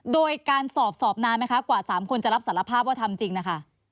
โดยการสอบสอบนานไหมคะกว่า๓คนจะรับสารภาพว่าทำจริงนะคะ